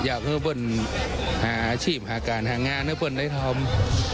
อยากให้พวกผมหาอาชีพหาการหางานให้พวกผมได้ทำ